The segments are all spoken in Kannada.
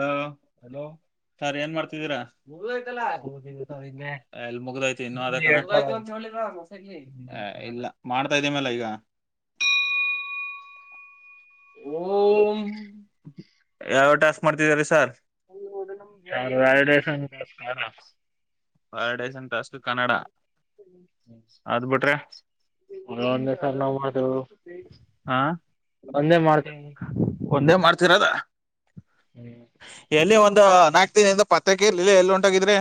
ಹಾ ಹಲೋ, ಸರ್ ಏನ್ ಮಾಡ್ತಿದ್ದೀರಾ ಎಲ್ ಮುಗ್ದೋಯ್ತು ಇನ್ನೂ, ಹೇ ಇಲ್ಲ ಮಾಡ್ತಾ ಇದೀನಲ್ಲ ಈಗ. ಯಾವ್ಯಾವ ಟಾಸ್ಕ್ ಮಾಡ್ತಿದೀರಾ sir validation [unintelligible] validation task Kannada. [unintelligible] Vande ಮಾಡ್ತಿರೋದಾ. ಎಲ್ಲಿ ಒಂದ ನಾಕ್ ದಿನದಿಂದ ಪತ್ಕ ಇರಲಿಲ್ಲ ಎಲ್ಲಿ ಒಂಟೋಗಿದ್ರಿ.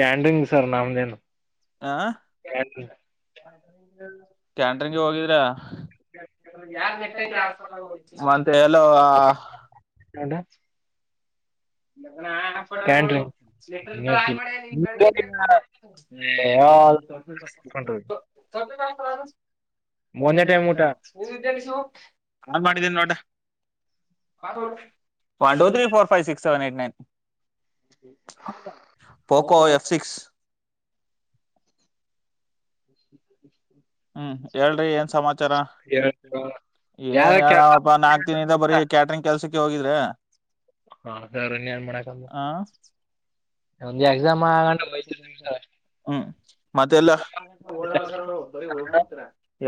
ಕ್ಯಾಂಡಿಂಗ್ ಸರ್ ನಮದೇನು, ಹಾ. [unintelligible] ಕ್ಯಾಂಟ್ರಿಂಗ್ ಹೋಗಿದಿರ. ಮತ್ತೆ ಎಲ್ಲೋ [unintelligible] [unintelligible] [unintelligible] ಕ್ಯಾಂಡ್ರಿಂಗ್ ಕ್ಯಾಂಟ್ರಿಂಗ್ ಒಂದೆ ಟೈಮ್ ಊಟ ಆನ್ ಮಾಡಿದ್ದೀನಿ ನೋಡ. One, two, three, four, five, six, seven, eight nine, Poco F six. [inaudible] ಹ್ಮ್ ಹೇಳ್ರಿ ಏನ್ ಸಮಾಚಾರ. ಏನ್ ಯಾವ್ದ ಕೆಲ್ಸ ಹೇಳಾಮಪ್ಪಾ ನಾಕ್ ದಿನದಿಂದ ಬರೀ ಕ್ಯಾಟ್ರಂಗ್ ಕೆಲ್ಸಕ್ಕೆ ಹೋಗಿದ್ರೆ. ಹಾ ಸರ್ ಇನ್ನೇನ್ ಮಾಡಕ್ ಆ ಆಗುತ್ತೆ. [unintelligible] ಹ್ಮ್ ಮತ್ತೆಲ್ಲ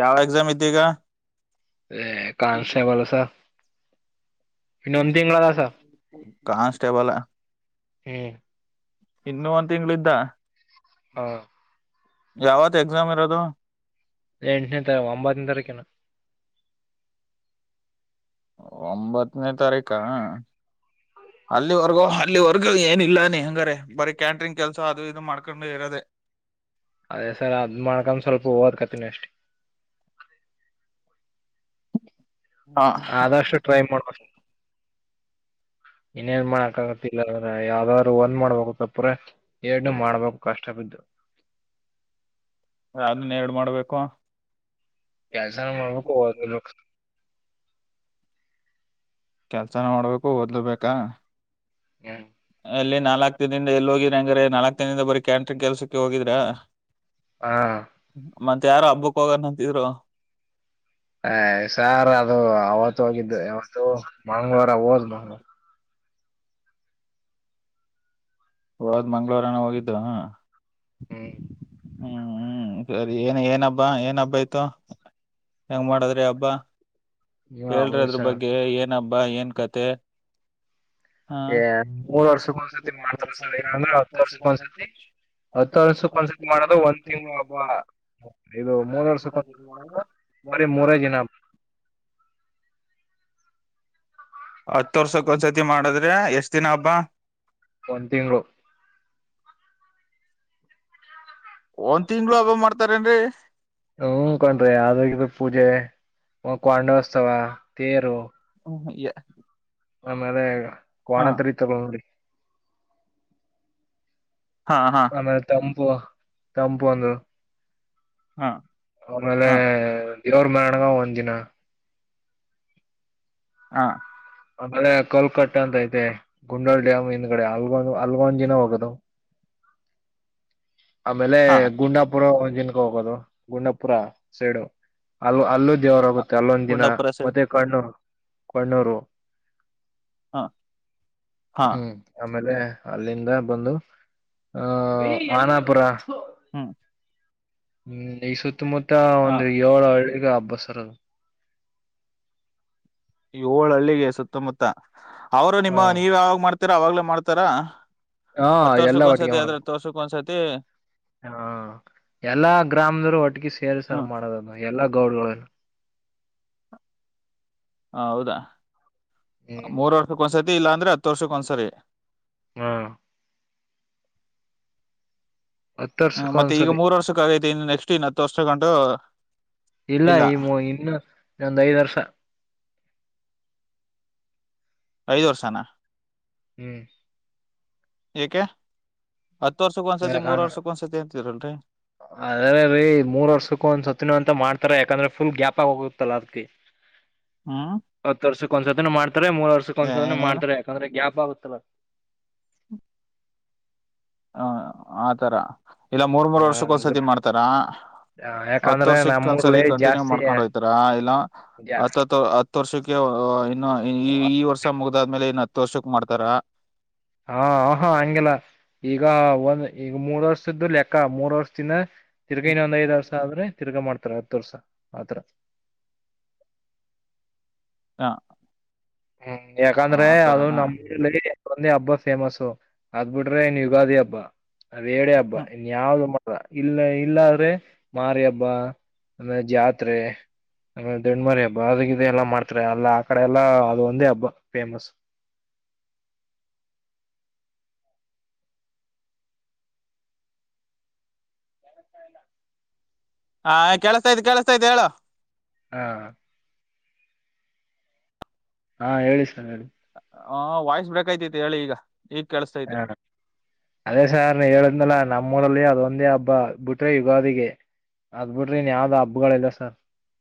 ಯಾವ ಎಕ್ಸಾಮ್, ಇದ್ದೀಗ ಹೇ [unintelligible] ಕಾನ್ಸ್ಟೇಬಲ್, ಹ್ಮ್. ಇನ್ನು ಒಂದ್ ತಿಂಗಳ್ದ, ಹಾ ಯಾವತ್ ಎಕ್ಸಾಮ್ ಇರೋದು. ಎಂಟನೇ ತ ಒಂಬತ್ತನೇ ತಾರೀಕೇನೂ. ಒಂಬತ್ತನೇ ತಾರೀಕ. ಅಲ್ಲಿವರ್ಗೂ ಅಲ್ಲಿವರ್ಗೂ ಏನ ಇಲ್ಲಾನೆ ಹಂಗಾರ ಬರೀ ಕ್ಯಾಂಟ್ರಿಂಗ್ ಕೆಲ್ಸ ಅದು ಇದು ಮಾಡ್ಕೊಂಡು ಇರದೆ. ಅದೇ ಸರ್ ಅದ್ ಮಾಡ್ಕ್ ಸ್ವಲ್ಪ ಒಡ್ಕೊತೀನಿ ಅಷ್ಟೇ. ಹ ಆದಷ್ಟು ಟ್ರೈ ಮಾಡ್ಬೀಕ ಇನ್ನೇನ್ ಮಾಡಕಾಗತ್ತಿಲ್ಲ ಯಾವ್ದ ರು ಒಂದ್ ಮಾಡ್ಬೇಕು ತಪ್ಪುರ ಎರಡ್ ಮಾಡ್ಬೇಕು ಕಷ್ಟ ಬಿದ್ದು. ಅದನ್ ಎರಡು ಮಾಡ್ಬೇಕು. ಕೆಲ್ಸನು ಮಾಡ್ಬೇಕು, [unintelligible] ಕೆಲ್ಸನ ಮಾಡ್ಬೇಕು. ಲ್, ಓದ್ಲುಬೇಕಾ, ಹ್ಮ್ ಅಲ್ಲಿ ನಾಲ್ಕಕ್ ದಿನಿಂದ ಎಲ್ಲಿ ಹೋಗಿದ್ರ ಹಂಗ್ರ ನಾಲ್ಕ್ ದಿನದಿಂದ ಬರೀ ಕ್ಯಾಂಟ್ರಿನ್ ಕೆಲ್ಸಕ್ಕೆ ಹೋಗಿದ್ರಾ. ಹಾ ಮತ್ತೆ ಯಾರ ಹಬ್ಬಕ್ಕ ಹೋಗನಂತಿದ್ರು. ಹ ಸಾರ್ ಅದು ಅವತ್ತು ಹೋಗಿದ್ದು ಯಾವತ್ತು ಮಂಗಳವಾರ ಹೋದ್ ಮ ಹೋದ್ ಮಂಗಳವಾರ ನಾ ಹೋಗಿದ್ದ ಹ್ಮ್ ಹ್ಮ್ ಸರಿ ಏನ್ ಏನ ಹಬ್ಬಾ ಏನ್ ಹಬ್ಬ ಇತ್ತು. ಹೆಂಗ ಮಾಡದ್ರಿ ಹಬ್ಬಾ ನೀವ ಹೇಳ್ರಿ ಅಮೂಲ್ ಅದ್ರ ಸರ್ ಬಗ್ಗೆ ಏನ್. ನಬ್ಬಾ ಏನ್ ಕತೆೆ. ಹೇ ಮೂರು ವರ್ಷ. [inaudible] [inaudible] ಹತ್ತು ವರ್ತಿ ವರ್ಷಕ್ಕ ಕನ್ಸಿತ್ ಒಂದ್ಸತಿ ಮಾಡದು ಮಾಡೋದು ಒಂದ್ ತಿಂಗು ಹಬ್ಬ ತಿಂಗಳಪ್ಪ ಇದು ಒಬ್ೇ ಮೂರ್ ವರ್ಷ ಕನ್ಸಿ ಮಾಡದು. ವರ್ಷಕ್ಕ ಬರೀ ಮೂರೇ [inaudible] ದಿನ [unintelligible] ಹತ್ತು ವರ್ಷಕ್ ಒಂದ್ಸತಿ ಮಾಡದ್ರ ಎಷ್ಟ್ ದಿನ ಹಬ್ಬ. ಒಂದ್ ತಿಂಗಳು ಒಂದ್ ತಿಂಗ್ಳ ಹಬ್ಬ ಮಾಡ್ತಾರೇನ್ರಿ. ಹ್ಮ ಕಂಡ್ರಿ ಅದು ಇದು ಪೂಜೆ. ಕೊಂಡೋತ್ಸವ ತೇರು [inaudible] ಆಮೇಲೆ ಕೋಣ ಹಾ ತರಿತಾರೆ ನೋಡಿ. ಹಾ ಹಾ ಆಮೇಲೆ ತಂಪು ತಂಪು ಅಂದ. ಹಾ ಆಮೇಲೆ ಹಾ ದೇವರ ಮೆರವಣಿಗೆ ಒಂದ್ ದಿನ. ಹಾ ಆಮೇಲೆ ಕಲ್ಕಟ್ಟೆ ಅಂತ ಐತೆ ಗುಂಡಾಲ್ ಡ್ಯಾಮ್ ಹಿಂದ್ಗಡೆ ಹಲ್ಗೊ್ ಹಲ್ಗೊಂದ್ ದಿನ ಹೋಗೋದು. ಆಮೇಲೆ ಹಾ ಗುಂಡಾಪುರ [inaudible] ಜಿನಕ್ಕೆ ಹೋಗೋದು ಗುಂಡಾಪುರ ಸೈಡು ಅಲ್ಲೂ ಅಲ್ಲೂ. ದೇವರಗುತ್ತೆ ಅಲ್ಲೊಂದ್ ದಿನ ಗುಂಡಾಪುರ ಸೈಡ್ ಮತ್ತೆ ಕಣ್ಣೂರು ಕಣ್ಣೂರು. ಹಾ ಹಾ. ಹ್ಮ್ ಆಮೇಲೆ ಅಲ್ಲಿಂದ ಬಂದು ಆ ಆನಪುರ. ಹ್ಮ್. ಹ್ಮ್ ಈ ಸುತ್ತಮುತ್ತ ಹ ಒಂದು ಏಳು ಹಳ್ಳಿ. ಅಬ್ಬಸರದು. ಏಳ ಹಳ್ಳಿಗೆ ಸುತ್ತಮುತ್ತ ಅವರು ನಿಮ್ಮ ಹ ನೀವ ಯಾವಾಗ ಮಾಡ್ತೀರ ಅವಾಗ್ಲ ಮಾಡ್ತಾರ. ಹಾ ಹತ್ತು ಎಲ್ಲ ವರ್ಷಕ್ಕ ಒಟ್ಟಿಗೆ ಒಂದ್ಸತಿ ಮಾಡುದು ಆದ್ರ ಹತ್ತು ವರ್ಷಕ್ಕ ಒಂದ್ಸತಿ. ಹಾ ಎಲ್ಲಾ ಗ್ರಾಮದವರು ಒಟ್ಟಗಿ ಸೇರ್ ಸರ್ ಹ್ಮ್ ಮಾಡೋದದು ಎಲ್ಲಾ ಗೌಡ್ಗಳುಲ್ಲ. ಹೌದಾ ಹ್ಮ್ ಮೂರ್ ವರ್ಷಕ್ಕ ಒಂದ್ಸತಿ ಇಲ್ಲಾ ಅಂದ್ರೆ ಹತ್ತು ವರ್ಷಕ್ಕ ಒಂದ್ಸರಿ. ಹಾ ಹತ್ತು ಹ್ಮ್ ವರ್ಷಕ್ಕ ಮತ್ತೆ ಈಗ ಒಂದ್ಸತಿ ಮೂರ್ ವರ್ಷಕ್ಕ ಆಗೈತೆ ಇನ್ ನೆಕ್ಸ್ಟ್ ಇನ್ ಹತ್ತು ವರ್ಷಗಂಟು. ಇಲ್ಲ ಈ ಇನ್ನು ಇದೊಂದು ಐದ್ ವರ್ಷ. ಐದ್ ವರ್ಷಾನ. ಹ್ಮ್. ಏಕೆ ಹತ್ತು ವರ್ಷಕ್ಕ ಒಂದ್ಸತಿ ಮೂರ್ ವರ್ಷಕ್ಕ ಒಂದ್ಸತಿ ಅಂತಿದ್ರಲ್ರಿ. ಅದೇನೇ ರೀ ಮೂರ್ ವರ್ಷಕ್ಕೂ ಒಂದ್ ಸತ್ತಿನ ಅಂತ ಮಾಡ್ತಾರೆ. ಯಾಕಂದ್ರೆ ಫುಲ್ ಗ್ಯಾಪ್ ಆಗ ಹೋಗುತ್ತಲ್ಲ ಅದಕ್ಕೆ. ಹ್ಮ್ ಹತ್ತು ವರ್ಷಕ್ಕ ಒಂದ್ಸತನ ಮಾಡ್ತಾರೆ ಮೂರ್ ವರ್ಷಕ್ಕ ಒಂದಸತನ ಏನೇನು ಮಾಡ್ತಾರೆ ಯಾಕಂದ್ರೆ. [inaudible] ಹ ಆತರ ಇಲ್ಲಾ ಮೂರ್ ಮೂರ್ ಹ ವರ್ಷಕ್ಕೊಂದ್ಸತಿ ಮಾಡ್ತಾರ. ಹತ್ತು ಯಾಕಂದ್ರೆ ವರ್ಷಕ್ಕ ಒಂದ್ಸರಿ ನಮ್ಮೂರ್ಲಿ ಕಂಟಿನ್ಯೂ ಜಾಸ್ತಿ ಮಾಡ್ಕೊಂಡ ಹೋಗ್ತಾರ ಇಲ್ಲ. ಜಾ ಹತ್ತ್ ಹತ್ತು ವರ್ಷಕ್ಕೆ ಇನ್ನು ಈ ಈ ವರ್ಷ ಮುಗ್ದಾದ್ಮೇಲೆ ಏನ. ತೋಷಕ್ ಮಾಡ್ತಾರ. ಹಾ ಹ ಹಾ ಹಂಗಿಲ್ಲ ಈಗ ಒಂದ್ ಈಗ ಮೂರ್ ವರ್ಷದ್ದು ಲೆಕ್ಕ ಮೂರ್ ವರ್ಷದಿಂದ. ತಿರುಗು ಇನ್ನೊಂದು ಐದು ವರ್ಷ. ಆದ್ರೆ ತಿರ್ಗಾ ಮಾಡ್ತಾರ ಹತ್ತು ವರ್ಷ ಆತರ. ಹ ಹ್ಮ್ ಯಾಕಂದ್ರೆ ಅದು ಆತರನ ನಮ್ಮ್ ಒಂದೇ ಹಬ್ಬ ಫೇಮಸ್ಸು ಅದ್ ಬಿಟ್ರೆ ಇನ್ ಯುಗಾದಿ ಹಬ್ಬ ಅವೆರಡೆ ಹಬ್ಬ ಹ್ಮ್ ಇನ್ ಯಾವ್ದು ಇಲ್ಲ ಇಲ್ಲಾದ್ರೆ ಮಾರಿಹಬ್ಬ ಅಮೇಲ್ ಜಾತ್ರೆ ಆ ದಂಡ್ಮರಿ ಹಬ್ಬ ಬಾವಿ ಗಿವಿ ಎಲ್ಲಾ ಮಾಡ್ತಾರೆ ಅಲ್ಲ ಆ ಕಡೆ ಎಲ್ಲ ಅದು ಒಂದೇ ಹಬ್ಬ ಪೇಮಸ್ ಹಾ ಕೇಳಸ್ತಯಿದೆ ಕೆೇಳಸ್ತಯಿದೆ ಹೇಳು ಹಾ ಹಾ ಹೇಳಿ ಸರ್ ಹೇಳಿ ಹ ವಾಯ್ಸ್ ಬ್ರೇಕ್ ಐತೆತೆ ಹೇಳಿ ಈಗ ಈಗ ಕೇಳಸ್ತೈತೆ ಹ ಅದೇ ಸಾರ್ ನಾನ್ ಹೇಳಿದ್ನಲ್ಲ ನಮ್ಮ್ ನಮ್ಮೂರಲ್ಲಿ ಅದೊಂದೇ ಹಬ್ಬ ಬೂಟ್ರೆ ಯುಗಾದಿಗೆ ಅದ್ ಬಿಟ್ರಿ ಇನ್ ಯಾವುದ್ ಹಬ್ಬಗಳಲ್ಲೇ ಇಲ್ಲ ಸರ್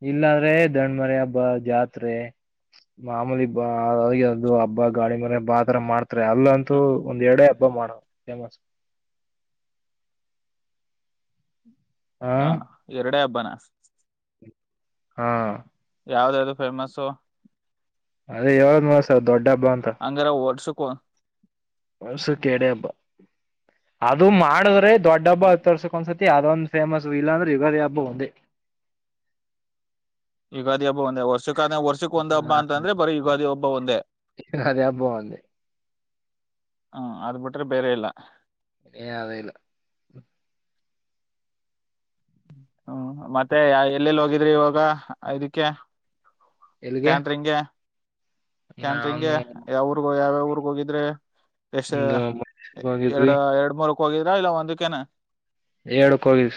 ಇಲ್ಲಿ ಅಂದ್ರೆ ದಣ್ಮರಿ ಹಬ್ಬ ಜಾತ್ರೆ ಮಾಮೂಲಿ ಬಾ ಅದು ಹಬ್ಬ ಗಾಳಿ ಮನೆ ಹಬ್ಬ ಆತರ ಮಾಡ್ತಾರೆ ಹ ಅಲ್ಲಂತೂ ಒಂದೆರಡೇ ಹಬ್ಬ ಮಾಡೋದು ಪೇಮಸ್ ಹ ಎರಡೇ ಹಬ್ಬಾನ ಹಾ ಯಾವುದದು ಪೇಮಸ್ ಅದೇ ಹೇಳ್ದ್ ನಲ್ಲ ಸರ್ ದೊಡ್ಡ್ ಹಂಗರೆ ವರ್ಷಕ್ ವರ್ಷಕ್ಕೆ ಎರಡೆ ಹಬ್ಬ ಅದು ಮಾಡಿದ್ರೆ ದೊಡ್ಡ ಹಬ್ಬ ಹೊತ್ತು ವರ್ಷಕ್ಕೆ ಒಂದ್ಸಲಿ ಆದೊಂದು ಫೇಮಸ್ ಇಲ್ಲಾಂದ್ರೆ ಯುಗಾದಿ ಹಬ್ಬ ಒಂದೇ ಯುಗಾದಿ ಹಬ್ಬ ಒಂದೇ ವರ್ಷಕ್ಕ ವರ್ಷಕ್ ಒಂದ್ ಹಬ್ಬ ಅಂತಂದ್ರೆ ಬರೀ ಯುಗಾದಿ ಹಬ್ಬ ಒಂದೇ ಯುಗಾದಿ ಹಬ್ಬ ಒಂದೇ ಹ ಅದು ಬಿಟ್ರೆ ಬೇರೆ ಇಲ್ಲ ಹೆ ಅದೇಲ್ಲ ಹ್ಮ ಮತ್ತೆ ಯಾ ಎಲ್ಲೆಲ್ಲಿ ಹೋಗಿದ್ರಿ ಇವಾಗ ಐದಕ್ಕೆ ಎಲ್ಲಿಗೆ ಕ್ಯಾಂಟ್ರಿಂಗ್ ಕ್ಯಾಂಟ್ರಿಂಗ್ಗೆ ನಾನು ಯಾವ್ ಯಾವ್ಯಾವ್ ಊರುಗೆ ಹೋಗಿದ್ರೆ ಎಷ್ಟ್ ಒಂದು ಹೋಗಿದ್ವಿ ಎರಡು ಎರಡ್ ಮೂರಕ್ ಹೋಗಿದ್ರಾ ಇಲ್ಲ ಒಂದಕ್ಕೇನ. ಎರಡಕ್ಕೂ ಹೋಗ್ರಿ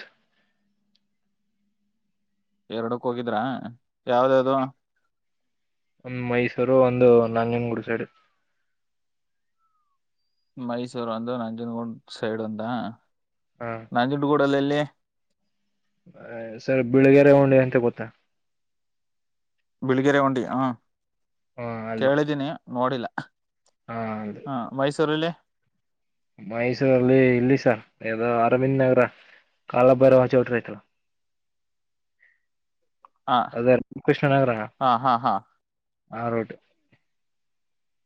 ಎರಡಕ್ಕ್ ಹೋಗಿದ್ರ ಯಾವುದ್ ಯಾವುದ್ ಒಂದು ಮೈಸೂರು ಒಂದು ನಂಗನಗೂಡು ಸೈಡ್ ಮೈಸೂರು ಒಂದು ನಂಜುನಗೂಡ್ ಸೈಡ್ ಒಂದಾ ಹಾ ನಂಜುನಗುಡ್ [unintelligible] ಸರ್ ಬಿಳಗರೆ ಹುಂಡಿ ಅಂತ ಗೊತ್ತಾ ಬಿಳ್ಗೆರೆ ಹುಂಡಿ ಹ ಹ ಅಲ್ಲಿ ಕೇಳಿದ್ದೀನಿ ನೋಡಿಲ್ಲ ಹ ಅಲ್ಲಿ ಹ ಮೈಸೂರು ಅಲ್ಲಿ ಮೈಸೂರಲ್ಲಿ ಇಲ್ಲಿ ಸರ್ ಯಾವುದೋ ಅರವಿಂದ ನಗರ ಕಾಲಭೈರವ ಚೌಟ್ರೀ ಐತ್ತಲ್ಲ [inaudible] ಹ ಅದೇ ಕೃಷ್ಣನಗರ ಹಾ ಹಾ ಹಾ ಆ ರೂಟ್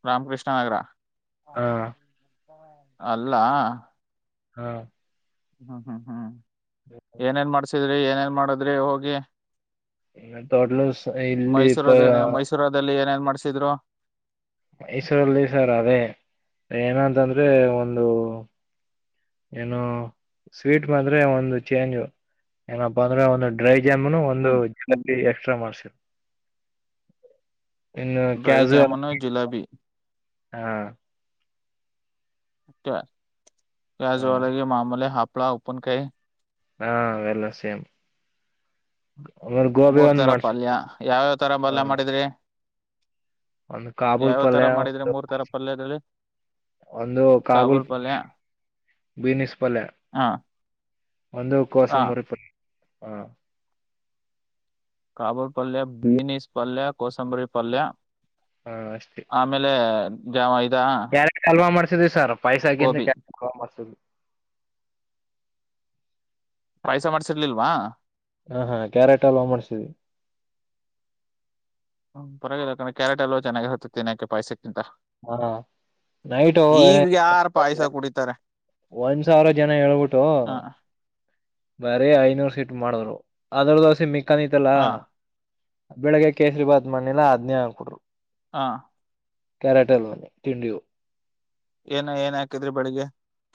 ರಾಮಕೃಷ್ಣನಗರ ಅಲ್ಲ ಹಾ ಹ್ಮ್ ಹ್ಮ್ ಹ್ಮ್ ಏನೇನ್ ಮಾಡ್ಸಿದ್ರಿ ಏನೇನ್ ಮಾಡಿದ್ರಿ ಹೋಗಿ [unintelligible] ಪ ಮೈಸೂರೂ ಮೈಸೂರದಲ್ಲಿ ಏನೇನ್ ಮಾಡ್ಸಿದ್ರು ಮೈಸೂರಲ್ಲಿ ಸರ್ ಅವೇ ಏನಂತಂದ್ರೆ ಒಂದು ಏನೋ ಸ್ವೀಟ್ ಬಂದ್ರೆ ಒಂದು ಚೇಂಜ್ ಏನಪ್ಪ ಅಂದ್ರೆ ಒಂದು ಡ್ರೈ ಜಾಮೂನು ಒಂದು ಹ್ಮ್ ಜುರಿ ಎಕ್ಸ್ಟ್ರಾ ಮಡ್ಸೀದ್ರೂ ಇನ್ನು ಡ್ರೈ ಕ್ಯಾಜು ಎಲ್ಲ ಜಾಮೂನು ಜಿಲೇಬಿ ಹಾ ಯ ಹ್ಮ ಜವಾಲಗೆ ಮಾಮೂಲೆ ಹಾಪಳ ಒಪ್ಪನ್ ಕೈ ಹಾ ವಲ್ಲ ಸೇಮ್ ಅವ್ರ ಗೋಬೆ ಮೂರ್ ಒಂದು ತರ ಮಾಡ್ಸತ ಪಲ್ಯ ಯಾವ್ಯಾವ ತರ ಹಾ ಪಲ್ಯ ಮಾಡಿದ್ರಿ ಒಂದು ಕಾಬೂಲ್ ಯಾವ್ಯಾವ ಪೊಳ್ಳ ತರ ಒ ಮಾಡಿದ್ರಿ ಮೂರ್ ತರ ಪಲ್ಯದಲ್ಲಿ ಒಂದು ಕಾಬೂಲ್ ಬೀನಸ್ ಪಲ್ ಹಾ ಒಂದು ಕೋಸ ಹಾ ಮೂರುತ ಹ ಕಬೂಲ್ ಪಲ್ಯ ಬೀನಿಸ್ ಪಲ್ಯ ಕಸಂಬುರಿ ಪಲ್ಯ ಹಾ ಅಷ್ಟೇ ಆಮೇಲೆ ಜಾವ ಇ ಕ್ಯಾರೆಟ್ ಅಲ್ವಾ ಮಾಡ್ಸಿದ್ವಿ ಸರ್ ಪೈಸಾಗಿಂತ ಗೋಬಿ ಕ್ಯಾರೆ ಕಲ್ ಮಾಡ್ಸಿದ್ವಿ ಪಾಯಸ ಮಾಡ್ಸಿರ್ಲಿಲ್ವಾ ಹಾ ಹಾ ಕ್ಯಾರೆಟ್ ಹಲ್ವಾ ಮಾಡ್ಸವಿ ಪರವಾಗಿ್ರ ಕ್ಯಾರೆಟ್ ಎಲ್ಲ ಚೆನ್ನಾಗಿರುತ್ತ ತಿಿನಾಕ್ಕೆಾಯ್ ಸಿಕ್ ಂತ ಹಾ ನೈಟು ಈಗ ಯಾರ ಪಾಯಸ ಕುಡಿತಾರೆ ಒಂದ್ ಸಾವಿರ ಜನ ಹೇಳ್ಬಿಟ್ಟು ಹ ಬರೀ ಐನೂರು ಸೀಟ್ ಮಾಡಿದ್ರು ಅದ್ರ ದೋಸೆ ಮಿಕಾನಿತ್ ಅಲ್ಲ ಹ ಬೆಳಗ್ಗೆ ಕೇಸರಿ ಭಾತ್ ಮಣ್ಣಿಲ್ಲ ಅದ್ನೇ ಆಾಕಟ್ರು ಹಾ ಕಾರಟ ಎಲ್ಲನ್ನ ತಿಂಡು ಏನ ಏನ್ ಹಾಕಿದ್ರಿ ಬೆಳಿಗ್ಗೆ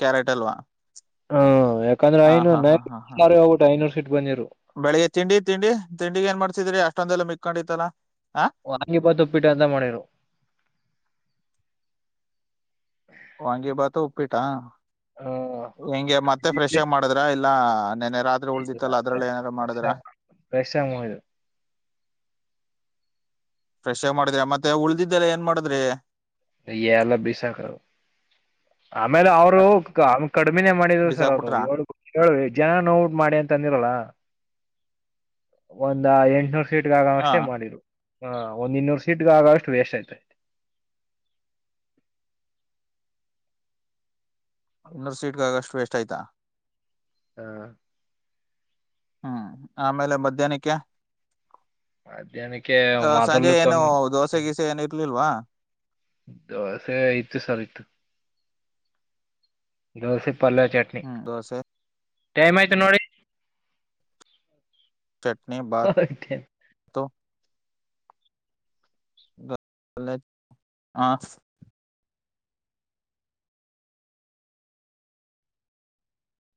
ಕ್ಯಾರೆಟ್ ಅಲ್ವಾ ಹ್ಮ ಯಾಕಂದ್ರೆ ಹ ಐನೂರು ಹಾ ನ ಹಾ ಹಾ ಹಾ ಸ ಹೋಗಬಟ್ಟು ಐನೂರು ಸೀಟ್ ಬಂದಿರು ಬೆಳಿಗ್ಗೆ ತಿಂಡಿ ತಿಂಡಿ ತಿಂಡಿ ಏನ್ ಮಾಡ್ತಿದ್ರಿ ಅಷ್ಟೊಂದೆಲ್ಲ ಮಿಕ್ಕಕೊಂಡತ್ತನ ಅಂಗಿಪ್ಪ ತಪ್ಪಿಟ್ಟು ಅಂತ ಮಾಡಿರು ವಾಂಗಿ ಭಾತು ಉಪ್ಪಿಟ ಹಾ ಹೆಂಗೆ ಮತ್ತೆ ಫ್ರೆಶ್ ಆಗ ಮಾಡಿದ್ರ ಇಲ್ಲ ನೆನ್ನೆ ರಾತ್ರಿ ಉಳ್ದಿತ್ತಲ್ಲ ಅದ್ರಲ್ಲ ಫ್ರೆಶ್ ಏನಾರು ಮಾಡಿದ್ರ ಫ್ರೆಶ್ ಆಗಿ ಮುಗಿದು ಫ್ರೆಶ್ ಆಗಿ ಮಾಡಿದ್ರಿ ಮತ್ತೆ ಉಳ್ದಿದ್ದೆಲ್ಲ ಏನ್ ಮಾಡಿದ್ರಿ ಯ ಅಭಿಸಾಕೋ ಆಮೇಲೆ ಅವರು ಕಡಿಮಿನೇ ಮಾಡಿದ್ರು ಸರ್ ಅವ್ರು ಬಿಸಾಕ್ಬಿಟ್ರ ಏಳುಏು ಜನ ನೋಟ್ ಮಾಡಿ ಅಂತಂದ ರಲ್ಲ ಒಂದ ಎಂಟನೂರ್ ಸೀಟ್ಗ ಆಗ ಹ ಅಷ್ಟೇ ಮಾಡಿದ್ರು ಹಾ ಒಂದ್ ಇನ್ನೂರು ಸೀಟ್ಗ ಆಗಷ್ಟು ವೇಸ್ಟ್ ಆಯ್ತತೆ ಇನ್ನೊರ್ ಸೀಟ್ಗಾಗಷ್ಟು ವೇಸ್ಟ್ ಆಯ್ತಾ ಹಾ ಹ್ಮ್ ಆಮೇಲೆ ಮಧ್ಯಾಹ್ನಕ್ಕೆ ಮಧ್ಯಾಹ್ನಕ್ಕೆ ಅ ಸಂಜೆ ಮೊದಲು ಏನು ದೋಸೆ ಕಮ್ಮಿ ಗೀಸೆ ಏನು ಇರ್ಲಿಲ್ವಾ ದೋಸೆ ಇತ್ತು ಸರ್ ಇತ್ತುು ದೋಸೆ ಪಲ್ಲವ ಚಟ್ನಿ ಹ್ಮ್ ದೋಸೆ ಟೈಮ್ ಆಯ್ತು ನೋಡಿ ಚಟ್ನ ನೋಡಿ ಬತ್ತು ಹ